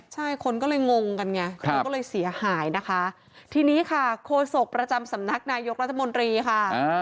ใช่คนก็เลยงงกันไงมันก็เลยเสียหายนะคะทีนี้ค่ะโฆษกประจำสำนักนายกรัฐมนตรีค่ะ